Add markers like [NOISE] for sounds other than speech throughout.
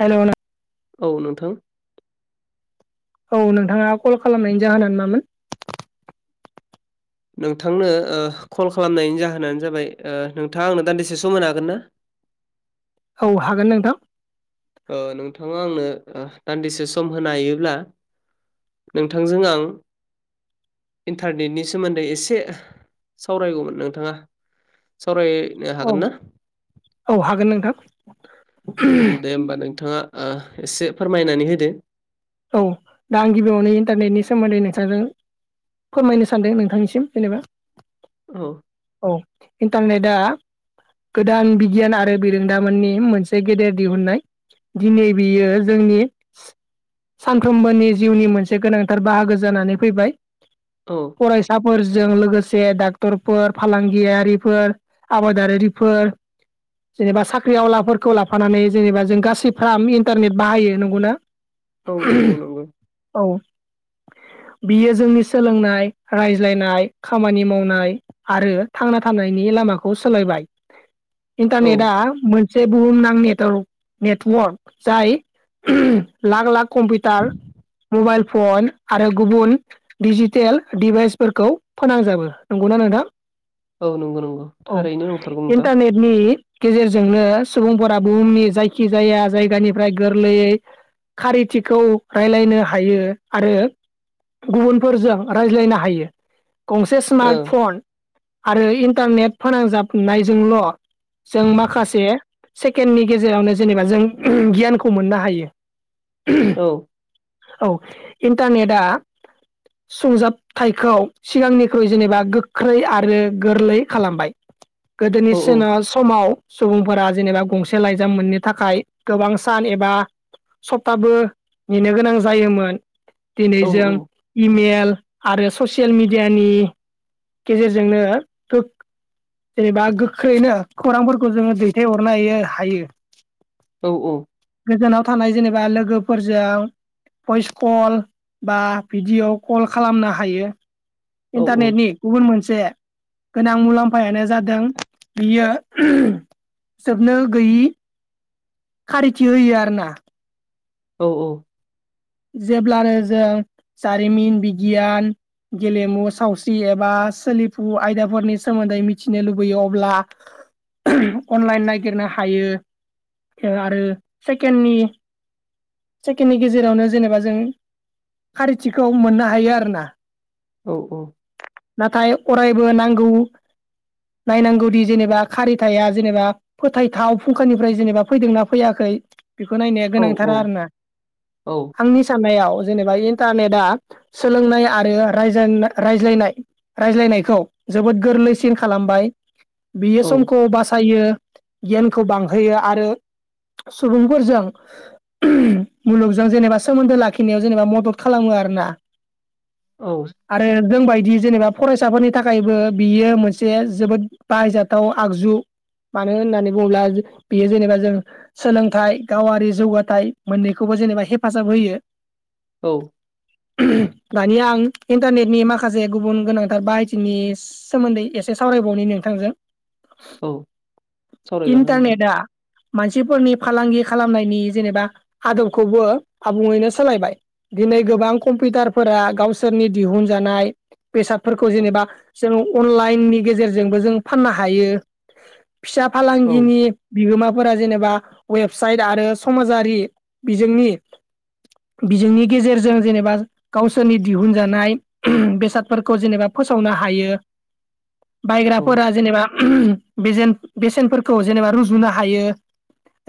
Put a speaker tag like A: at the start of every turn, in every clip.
A: हेल'
B: औ नोंथां।
A: औ नोंथाङा कल खालामनायनि जाहोना मामोन।
B: नोंथांनो कल खालामनायनि जाहोनानो जाबाय नोंथाङा आंनो दान्दिसे सम मोन हागोन ना?
A: औ हागोन नोंथां।
B: नोंथाङा आंनो। दान्दिसे सम होनो हायोब्ला नोंथांजों आं। इन्टारनेटनि सोमोन्दै एसे सावरायगौमोन नोंथाङा सावरायनो
A: औ
B: हागोन ना?
A: औ हागोन नोंथां
B: दे होमबा नोंथाङा एसे फोरमायनानै होदो।
A: औ दा आं गिबियावनो इन्टारनेटनि सोमोन्दै नोंसांजों। फोरमायनो सानदों नोंथांनिसिम जेनेबा
B: औ
A: औ। इन्टारनेटआ गोदान बिगियान आरो बिरोंदामोननि मोनसे गेदेर दिहुननाय। दिनै बियो जोंनि सानफ्रोमबोनि जिउनि मोनसे गोनांथार बाहागो जानानै फैबाय।
B: औ
A: फरायसाफोर जों लोगोसे डाक्टरफोर फालांगियारिफोर आबादारिरिफोर जेनेबा साख्रि आवलाफोरखौ लाफानानै जेनेबा जों गासै फाम इन्टारनेट बाहायो नंगौना?
B: औ नंगौ नंगौ।
A: [INAUDIBLE] बियो जोंनि सोलोंनाय रायज्लायनाय खामानि मावनाय आरो थांना थानायनि लामाखौ सोलायबाय
B: औ
A: इनटारनेदा मोन मोनसे बुहुमनां नेटवर्क जाय lakh lakh computer mobile phone आरो गुबुन डिजिटेल दिडिभाइसफोरखौ फोनांजाबो नंगौना नोंथां?
B: औ नंगौ नंगौ
A: औ
B: थारैनो नंथारगौ नोंथां
A: इन्टारनेटनि गेजेरजोंनो सुबुंफोरा बुहुमनि जायखि जाया जायगानिफ्राय गोरलैयै खारिथि। खौ रायज्लायनो हायो आरो गुबुनफोरजों रायज्लायनो हायो। गंसे स्मार्ट
B: ओ
A: फन आरो इन्टारनेट फोनांजाबनायजोंल'। जों माखासे। सेकेणडनि गेजेरावनो जेनेबा जों गियानखौ मोननो हायो।
B: औ।
A: औ इन्टारनेटआ सुंजाबथायखौ सिगांनिख्रुइ जेनेबा गोख्रै आरो गोरलै खालामबाय। गोदोनि
B: औ
A: सोना समाव सुबुंफोरा जेनेबा गंसे लाइजाम मोननो थाखाय गोबां सान एबा आबो नेनो गोनां जायोमोन दिनै
B: औ
A: जों इमेल आरो ससियेल मिडियानि गेजेरजोंनो गो जेनेबा गोख्रैनो खौरांफोरखौ जोङो दैथाय हरनो हायो हायो।
B: औ औ।
A: गोजानाव थानाय जेनेबा लोगोफोरजों। भइस कल बा भिडिय' कल खालामनो हायो।
B: औ
A: इन्टारनेटनि गुबुन मोनसे गोनां मुलाम्फायानो जादों। बियो जोबनो गैयि खारिथि होयो आर ना।
B: औ औ।
A: जेब्लानो जों जारिमिन, बिगियान गेलेमु सावस्रि एबा सोलिफु आयदाफोरनि सोमोन्दै मिथिनो लुबैयो अब्ला अनलाइन नागिरनो हायो आरो सेकेण्डनि सेकेन्डनि गेजेरावनो जेनेबा जों खारिथिखौ मोननो हायो आरोना।
B: औ औ।
A: नाथाय अरायबो नांगौ नायनांगौदि जेनेबा खारिथाया जेनेबा फोथायथाव फुंखानिफ्राय जेनेबा फैदोंना फैयाखै? बेखौ नायनाया
B: औ
A: गोनांथार
B: औ
A: आरो ना।
B: औ
A: आंनि साननायाव जेनेबा इन्टारनेटआ सोलोंनाय आरो रायजेना रायज्लायनाय रायज्लायनायखौ जोबोद गोरलैसिन खालामबाय। बियो
B: औ
A: समखौ बासायो गियानखौ बांहोयो आरो सुबुंफोरजों मुलुग जों जेनेबा सोमोन्दो लाखिनायाव जेनेबा मदद खालामो आरोना।
B: औ।
A: जों बायदि जेनेबा फरायसाफोरनि थाखायबो बियो मोनसे जोबोद बाहायजाथाव आगजु- मानो होननानै बुङोब्ला बेयो जेनेबा जों सोलोंथाइ, गावारि जौगाथाय मोननैखौबो जेनेबा हेफाजाब होयो।
B: औ।
A: दानिया आं इन्टारनेटनि माखासे गुबुन गोनांथार बाहायथिनि सोमोन्दै एसे सावरायबावनि नोंथांजों।
B: औ सावरायजागोन नोंथां।
A: इन्टारनेटआ मानसिफोरनि फालांगि खालामनायनि जेनेबा आदबखौबो आबुङैनो सोलायबाय। दिनै गोबां कम्पिउटारफोरा गावसोरनि दिहुनजानाय बेसादफोरखौ जेनेबा जों अनलाइननि गेजेरजोंबो जों फाननो हायो। फिसा
B: औ
A: फालांगिनि बिगोमा फोरा जेनेबा वेबसाइट आरो समाजारि बिजोंनि बिजोंनि गेजेरजों जेनेबा गावसोरनि दिहुनजानाय बेसादफोरखौ जेनेबा फोसावनो हायो।
B: औ
A: बायग्राफोरा जेनेबा बेजेन बेसेनफोरखौ जेनेबा रुजुनो हायो।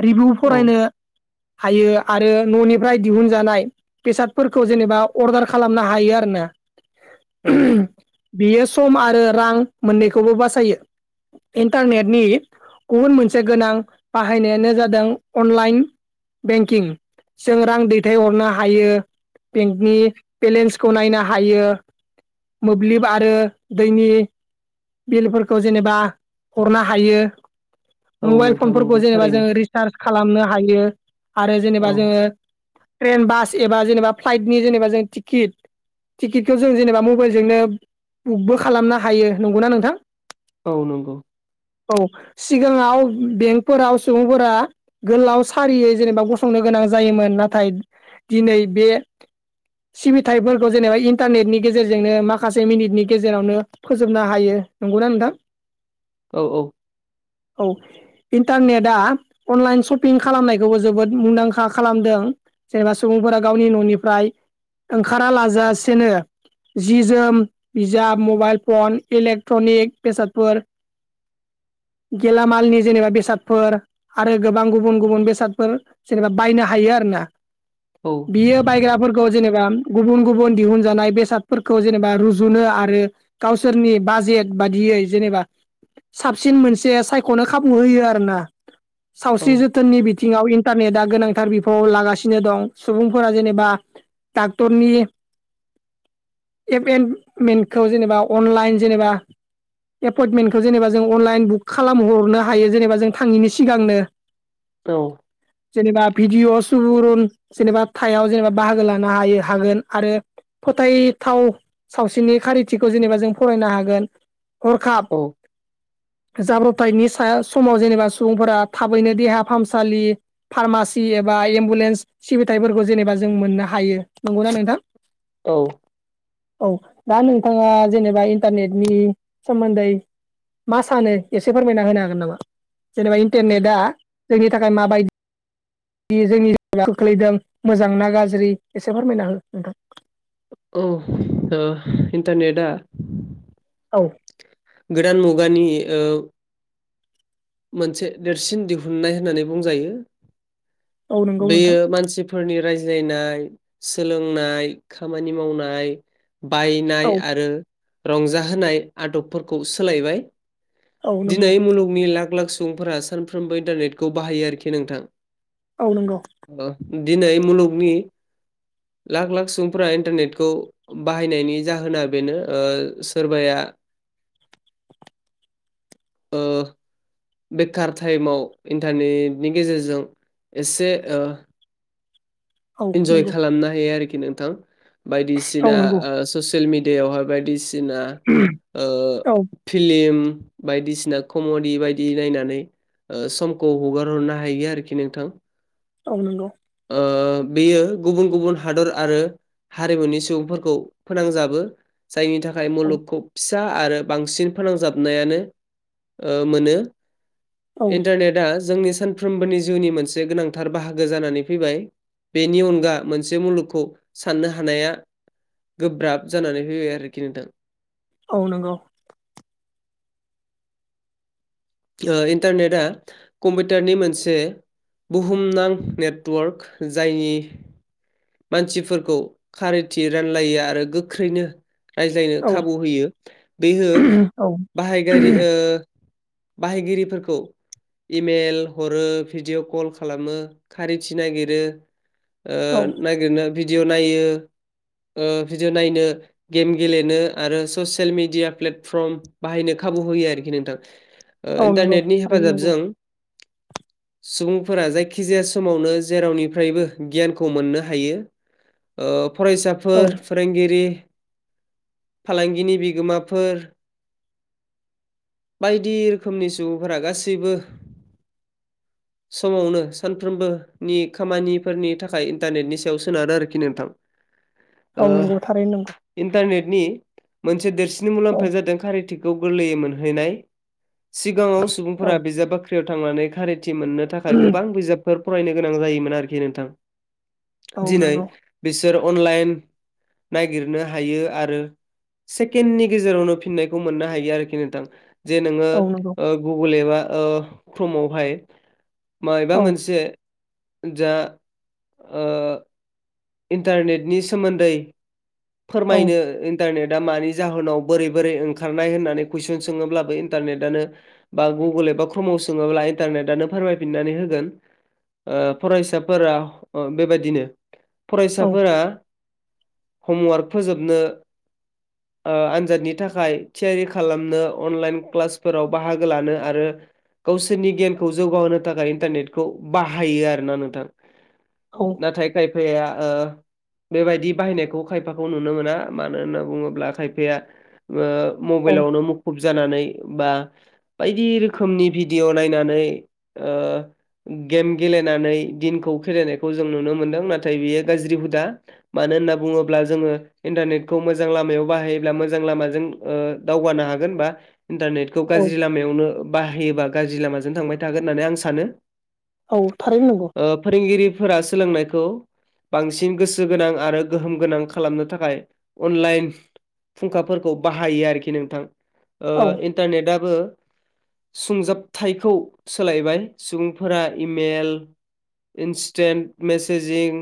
A: रिभिउ
B: औ
A: फरायनो हायो आरो न'नि ओमफ्राय दिहुनजानाय बेसादफोरखौ जेनेबा अर्डार खालामनो हायो आरो ना।
B: औ
A: बियो सम आरो रां मोननैखौबो बासायो। इन्टारनेटनि गुबुन मोनसे गोनां बाहायनायानो जादों अनलाइन। बेंकिं जों रां दैथायहरनो हायो, बेंकनि बेलेन्सखौ नायनो हायो। मोब्लिब आरो दैनि बिलफोरखौ जेनेबा हरनो हायो।
B: औ
A: मबाइल
B: नोंथां
A: फनफोरखौ
B: नंगौ
A: जेनेबा
B: थारैनो
A: जोङो रिसार्ज खालामनो हायो आरो जेनेबा
B: औ
A: जोङो ट्रेन बास एबा जेनेबा फ्लाइटनि जेनेबा जों टिकिट टिकिटखौ जों जेनेबा मबाइलजोंनो बुकबो खालामनो हायो नंगौना नोंथां।
B: औ नंगौ।
A: औ सिगाङाव बेंकफोराव सुबुंफोरा गोलाव सारियै जेनेबा गसंनो गोनां जायोमोन नाथाय दिनै बे सिबिथायफोरखौ जेनेबा इन्टारनेटनि गेजेरजोंनो माखासे मिनिटनि गेजेरावनो फोजोबनो हायो। नंगौना नोंथां?
B: औ औ।
A: औ इन्टारनेटआ अनलाइन शपिं खालामनायखौबो जोबोद मुंदांखा खालामदों। जेनेबा सुबुंफोरा गावनि ननिफ्राय ओंखारा लाजासेनो जि जोम, बिजाब, मबाइल फन, इलेक्ट्रनिक बेसादफोर [INAUDIBLE] गेलामालनि जेनेबा बेसादफोर आरो गोबां गुबुन गुबुन बेसादफोर जेनेबा बायनो हायो आरो ना।
B: औ
A: बियो बायग्राफोरखौ जेनेबा गुबुन गुबुन दिहुनजानाय बेसादफोरखौ जेनेबा रुजुनो आरो गावसोरनि बाजेट बादि यै जेनेबा साबसिन मोनसे सायखनो खाबु होयो आरो ना। सावस्रि
B: औ
A: जोथोननि बिथिङाव इन्टारनेटा गोनांथार बि फाव लागासिनो दं। सुबुंफोरा जेनेबा डाक्टरनि एप एन्ड मेन्टखौ जेनेबा अनलाइन जेनेबा एपइन्टमेन्टखौ जेनेबा जों अनलाइन बुक खालामहरनो हायो जेनेबा जों थाङिनि सिगांनो।
B: औ
A: जेनेबा भिडिअ सुबुरुन जेनेबा थायाव जेनेबा बाहागो लानो हायो हागोन। आरो फोथायथाव सावस्रिनि खारिथिखौ जेनेबा जों फरायनो हागोन। हरखाब
B: औ
A: जाब्रब थायनि साया समाव जेनेबा सुबुंफोरा थाबैनो देहा फाहामसालि फारमासि एब बा एम्बुलेन्स सिबिथाइफोरखौ जेनेबा जों मोननो हायो। नंगौना नोंथां?
B: औ
A: औ दा नोंथाङा जेनेबा इन्टारनेटनि सोमोन्दै मा सानो एसे फोरमायना होनो हागोन नामा? जेनेबा इन्टेन नेटआ जोंनि थाखाय माबाय दि जोंनि जिउ खोख्लैदों मोजां ना गाज्रि एसे फोरमायना हो नोंथां?
B: औ ओ इन्टारनेटआ
A: औ
B: गोदान मुगानि ओ मोनसे देरसिन दिहुननाय होननानै बुंजायो।
A: औ नंगौ नोंथां
B: बेयो मानसिफोरनि राय ज्लायनाय सोलोंनाय खामानि मावनाय
A: औ
B: बायनाय आरो रंजाहोनाय आदबफोरखौ सोलायबाय।
A: औ नंगौ
B: दिनै मुलुगनि लाख लाख सुबुंफोरा सोनफ्रोमबो इन्टारनेटखौ बाहायो आरोखि नोंथां।
A: औ नोंगौ।
B: ओ दिनै मुलुगनि लाख लाख सुबुंफोरा इन्टारनेटखौ बाहायनायनि जाहोना बेनो। ओ सोरबाया आ
A: [INAUDIBLE]
B: ओ बेखार टाइमाव इन्टारनेटनि गेजेरजों एसे ओ
A: औ
B: इनजय
A: नंगौ
B: खालामनो हायो आरोखि नोंथां।
A: औ
B: बायदिसिना
A: नंगौ
B: ओ ससियेल मिडियायावहाय बायदिस सिना ओ
A: औ
B: फिलिम बायदिसिना कमडि बायदि नायनानै। ओ समखौ हगार हरनो हायो आरोखि नोंथां।
A: औ नंगौ।
B: ओ बेयो गुबुन गुबुन हादर आरो हारिमुनि सुबुंफोरखौ फोनांजाबो। जायनि थाखाय
A: औ
B: मुलुगखौ फि सा आरो बांसिन फोनांजाबनायानो, ओ मोनो।
A: औ
B: इन्टारनेटआ जोंनि सानफ्रोमबोनि जिउनि मोनसे गोनांथार बाहागो जानानै फैबाय। बेनि अनगा मोनसे मुलुगखौ साननो हानाया गोब्राब जानानै फैबाय आरोखि नोंथां।
A: औ नंगौ।
B: ओ इन्टारनेटआ कम्पिउटारनि मोनसे बुहुमनां नेटवर्क जायनि मानसिफोरखौ खारैथि रानलायो आरो गोख्रैनो रायज्लायनो
A: औ
B: खाबु होयो बेहो
A: औ
B: बाहायगारि ओ बाहायगिरिफोरखौ इमेल हरो भिडिअ कल खालामो खारिथि नागिरो। ओ
A: औ
B: नागिरनो भिडिअ नायो। ओ भिडिअ नायनो गेम गेलेनो आरो ससियेल मिडिया प्लेटफर्म बाहायनो खा खाबु होयो आरोखि नोंथां ओ
A: औ नंगौ
B: इन्टारनेटनि
A: थारैनो नंगौ
B: हेफाजाबजों सुबुंफोरा जायखिजाया समावनो जेरावनिफ्रायबो गियानखौ मोननो हायो ओ
A: औ
B: फरायसाफोर फोरोंगिरि फालांगिनि बिगोमाफोर बायदि रोखोमनि सुबुंफोरा गासैबो समावनो सानफ्रोमबोनि खामानिफोरनि थाखाय इन्टारनेटनि स याव सोनारो आरोखि नोंथां।
A: औ नंगौ थारैनो नंगौ।
B: नि मोनसे देरसिन
A: औ
B: मुलाम्फाया जादों कारिथिखौ गोरलैयै मोनहैनाय। सिगाङाव
A: औ
B: सुबुंफोरा बिजाब बाख्रियाव थांनानै खारिथि मोननो थाखाय गोबां बिजाब फोर फरायनो गोनां जायोमोन आरोखि नोंथां
A: औ
B: दिनै
A: नंगौ
B: बिसोर अनलाइन नागिरनो हायो आरो सेकेणडनि गेजेरावनो फिननायखौ मोननो हायो आरोखि नोंथां। जे नोङो
A: औ नंगौ
B: ओ गुगोल एबा ओ क्रममावहाय मायबा
A: औ
B: मोनसे जा ओ इन्टारनेटनि सोमोन्दै
A: औ
B: फोरमायनो इन्टारनेट दा मानि जाहोनाव बोरै बोरै ओंखारनाय होननानै कुइसन सोङोब्लाबो इनटारनेटानो बा गु बा क्रममाव सोंयोब्ला इनटारनेटानो फोरायना होगोन। ओ फरायसाफोरा बेबायदिनो
A: औ
B: फरायसाफोरा हमवार्क फोजोबनो ओ आनजादनि थाखाय थियारि खालामनो अनलाइन क्लासफोराव बाहागो लानो आरो गावसोरनि गियानखौ जौगाहोनो थाखाय इन्टारनेटखौ बाहायो आरोना नोंथां।
A: औ
B: नाथाय खायफाया ओ बेबायदि बाहायनायखौ खायफाखौ नुनो मोना मानो होनना बुङोब्ला खायफाया ओ
A: औ
B: मबाइलावनो मुखुब जानानै बा बायदि रोखोमनि भिडिअ नायनानै ओ गेम गेलेनानै दिनखौ खेलेनायखौ जों नुनो मोनदों नाथाय बेयो गाज्रि हुदा मानो होनना बुङोब्ला जोङो इन्टारनेटखौ मोजां लामायाव बाहायोब्ला मोजां लामाजों ओ दावगानो हागोन बा इन्टारनेटखौ
A: औ
B: गाज्रि लामायावनो बाहायोबा गाज्रि लामाजों थांबाय थागोन होननानै आं सानो।
A: औ थारैनो नंगौ
B: ओ फोरोंगिरिफोरा सोलोंनायखौ बांसिन गोसो गोनां आरो गोहोम गोनां खालामनो थाखाय अनलाइन फुंखाफोरखौ बाहायो आरोखि नोंथां ओ
A: औ
B: इन्टारनेटाबो सुंजाबथायखौ सोलायबाय सुबुंफोरा इमेल इन्सटन्ट मेसेेजिं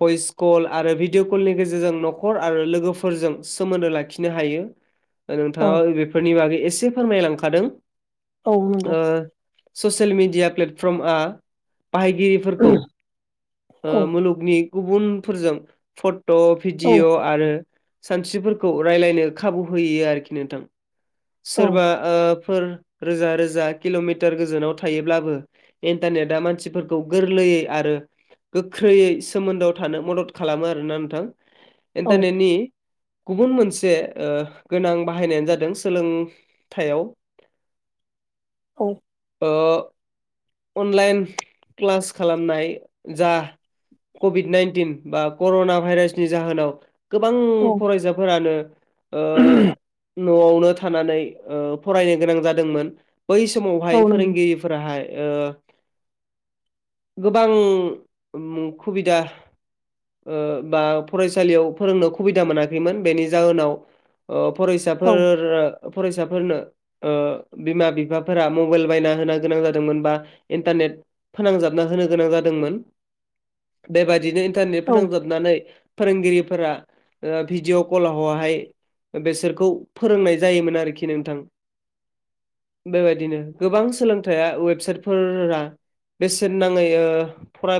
B: भइस कल आरो भिडिय' कलनि गेजेरजों न'खर आरो लोगोफोरजों सोमोन्दो लाखिनो हायो
A: औ
B: नोंथाङा बेफोरनि बागै एसे फोरमायलांखादों
A: औ नंगौ
B: ओ ससियेल मिडिया प्लेटफर्म बाहायगिरि
A: औ
B: मुलु गुबुनफोरजों फट'
A: औ
B: भिडिअ' आरो सानस्रिफोरखौ रायज्लायनो खाबु होयो आरोखि नोंथां
A: औ
B: सोरबा रोजा रोजा किल'मिटार गोजानाव थायोब्लाबो इन्टारनेटआ मानसिफोरखौ गोरलै आरो गोख्रैै सोमोन्दआव थानो मदद खालामो आरोना नोंथां
A: औ
B: इन्टारनेटनि। गुबुन मोनसे ओ गोनां बाहायनायानो जादों सोलोंथाइयाव
A: औ।
B: ओ अनलाइन क्लास खालामनाय जा कभिड नाइनटिन बा कर'ना भाइरासनि जाहोनाव गोबां
A: औ
B: फरायसाफोरानो ओ न'आवनो थानानै फरायनो गोनां जादोंमोन। बै
A: औ
B: समावहाय
A: नंगौ
B: फोरोंगिरिफोराहाय ओ गोबां मुं खुबिदा बा फरायसालियाव फोरोंनो खुबिदा मोनाखैमोन बेनि जाहोनाव ओ फरायसाफोर फरायसाफोरनो ओ बिमा बिफाफोरा मबेल बायना होनो गोनां जा दोंमोन बा इन्टारनेट फोनांजाबना होनो गोनां जादों बेबायदिनो इन्टारनेट
A: औ औ
B: फोनांजाबनानै फोरोंगिरिफोरा भिडिअ कलावहाय बेसोरखौ फोरोंनाय जायोमोन आरोखि नोंथां। बेबायदिनो गोबां सोलोंथाइया वेबसाइ बेसेन नाङै फरा